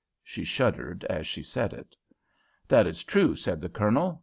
She shuddered as she said it. "That is true," said the Colonel.